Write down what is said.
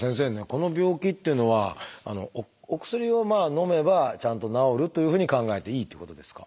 この病気っていうのはお薬をのめばちゃんと治るというふうに考えていいっていうことですか？